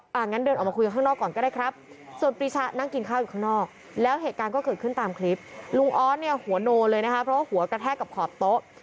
เพราะว่าหัวกระแทกกับขอบโต๊ะ